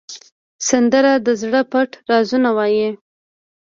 سندره د زړه پټ رازونه وایي